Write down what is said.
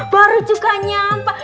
baru juga nyampe